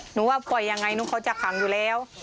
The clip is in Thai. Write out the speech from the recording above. หนูว่าปล่อยยังไงหนูเขาจะขังอยู่แล้ว